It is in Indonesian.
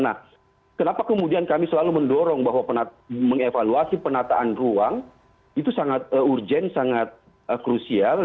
nah kenapa kemudian kami selalu mendorong bahwa mengevaluasi penataan ruang itu sangat urgent sangat krusial